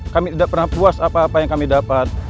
kami tidak pernah puas apa apa yang kami dapat